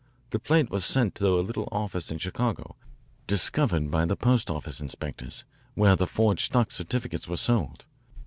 The plate was sent to a little office in Chicago, discovered by the post office inspectors, where the forged stock certificates were sold.